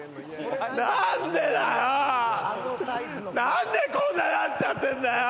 何でこんなんなっちゃってるんだよ！